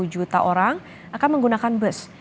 satu juta orang akan menggunakan bus